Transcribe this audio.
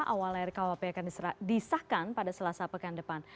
awal rkuhp akan disahkan pada selasa pekan depan